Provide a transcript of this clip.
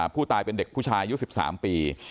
ผู้ตายเป็นเด็กผู้ชายอายุ๑๓ปี